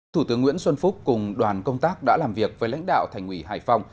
thủ tướng nguyễn xuân phúc cùng đoàn công tác đã làm việc với lãnh đạo thành ủy hải phòng